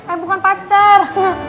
eh bukan pacar